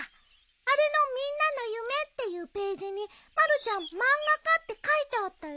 あれの「みんなの夢」っていうページにまるちゃん「まんが家」って書いてあったよ。